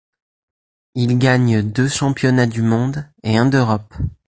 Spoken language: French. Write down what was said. Il gagne deux championnats du monde et un d'Europe.